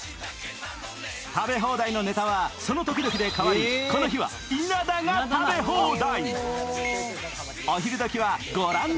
食べ放題のネタはその時々でかわり、この日はイナダが食べ放題。